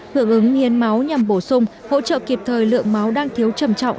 hưởng ứng hiến máu nhằm bổ sung hỗ trợ kịp thời lượng máu đang thiếu trầm trọng